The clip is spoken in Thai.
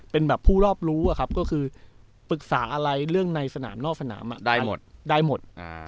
เป็นแบบผู้รอบรู้ก็คือปรึกษาอะไรเรื่องในสนามนอกสนามได้หมด